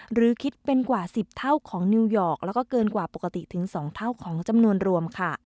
หรือคิดเป็นกว่า๑๐เท่าของนิวยอร์กแล้วก็เกินกว่าปกติถึง๒เท่าของจำนวนรวมค่ะ